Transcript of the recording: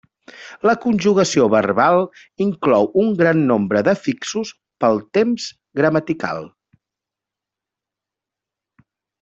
La conjugació verbal inclou un gran nombre d'afixos pel temps gramatical.